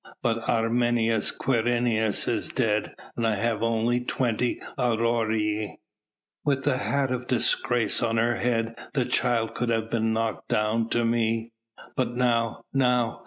But Arminius Quirinius is dead and I have only twenty aurei. With the hat of disgrace on her head the child could have been knocked down to me but now! now!